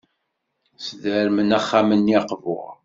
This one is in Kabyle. Sdermen axxam-nni aqbur.